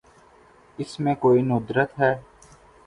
اس میں کوئی ندرت ہے۔